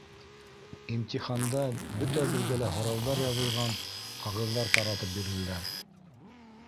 Имтиханда бөтәбеҙгә лә һорауҙар яҙылған ҡағыҙҙар таратып бирҙеләр.